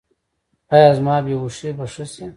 ایا زما بې هوښي به ښه شي؟